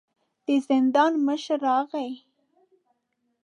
د زندان مشر راغی.